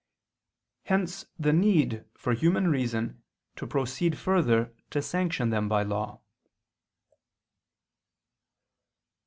Hence the need for human reason to proceed further to sanction them by law.